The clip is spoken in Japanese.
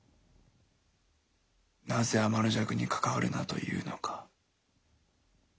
なぜ天の邪鬼に関わるなと言うのか。